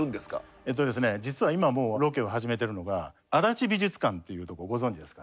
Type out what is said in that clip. えっと実は今もうロケを始めてるのが足立美術館っていうとこご存じですか？